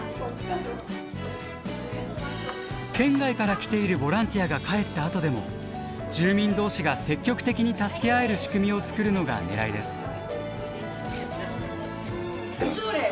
県外から来ているボランティアが帰ったあとでも住民同士が積極的に助け合える仕組みを作るのがねらいです。